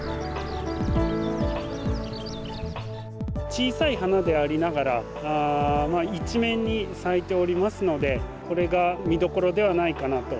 小さい花でありながら一面に咲いておりますのでこれが見どころではないかなと。